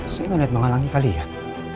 saya menunjuk menghalangi kalian